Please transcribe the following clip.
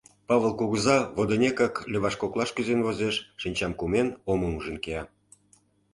Павыл кугыза водынекак леваш коклаш кӱзен возеш, шинчам кумен, омым ужын кия.